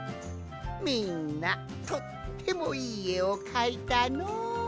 みんなとってもいいえをかいたのう。